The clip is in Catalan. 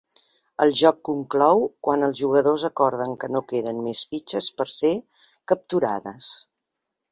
El joc conclou quan els jugadors acorden que no queden més fitxes per ser capturades.